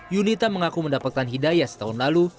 yunita mengaku mendapatkan hidayah setahun lalu